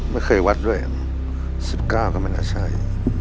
ไม่เคยวัดด้วย๑๙ก็ไม่น่าจะใช่